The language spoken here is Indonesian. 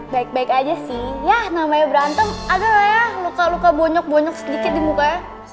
baik baik aja sih ya namanya berantem ada gak ya luka luka bonyok bonyok sedikit di mukanya